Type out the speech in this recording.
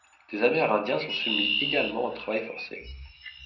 Des amérindiens sont soumis également au travail forcé.